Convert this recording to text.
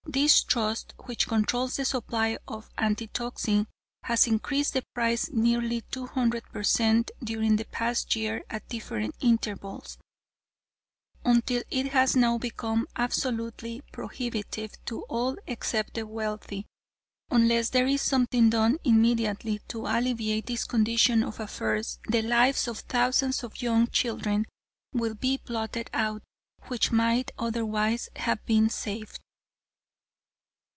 This trust, which controls the supply of antitoxin, has increased the price nearly two hundred per cent, during the past year at different intervals, until it has now become absolutely prohibitive to all except the wealthy. Unless there is something done immediately to alleviate this condition of affairs, the lives of thousands of young children will be blotted out, which might otherwise have been saved."